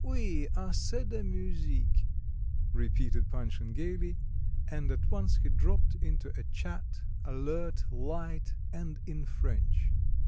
"Oui, assez de musique," repeated Panshin gaily, and at once he dropped into a chat, alert, light, and in French.